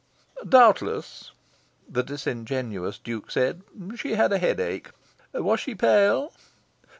"Doubtless," the disingenuous Duke said, "she had a headache... Was she pale?"